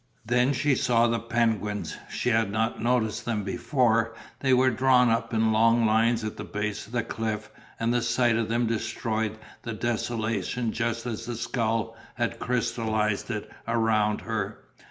Then she saw the penguins, she had not noticed them before, they were drawn up in long lines at the base of the cliff and the sight of them destroyed the desolation just as the skull had crystallized it around her.